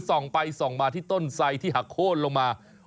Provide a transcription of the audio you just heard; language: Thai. ส่องไปส่องมาที่ต้นไสที่หักโค้นลงมา